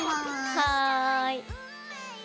はい。